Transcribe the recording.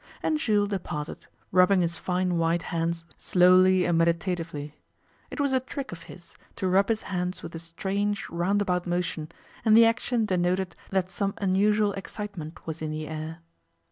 And Jules departed, rubbing his fine white hands slowly and meditatively. It was a trick of his, to rub his hands with a strange, roundabout motion, and the action denoted that some unusual excitement was in the air.